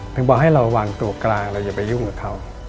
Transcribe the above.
บอกให้เราวางตัวกลางเราอย่าไปยุ่งกับเขา